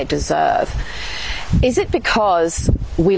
apakah karena kita tidak memiliki kemampuan